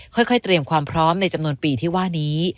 ค่อยเตรียมความพร้อมในจำนวนปีที่ว่านี้